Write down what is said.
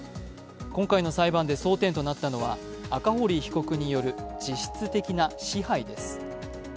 今回の裁判で争点となったのは赤堀被告による実質的な支配です。